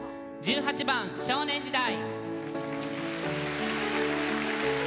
１８番「少年時代」。